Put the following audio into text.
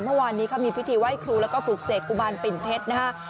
เมื่อวานนี้เขามีพิธีไหว้ครูแล้วก็ปลูกเสกกุมารปิ่นเพชรนะฮะ